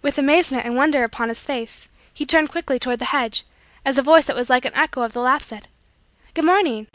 With amazement and wonder upon his face, he turned quickly toward the hedge, as a voice that was like an echo of the laugh said: "Good morning!